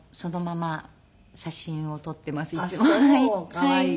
可愛い。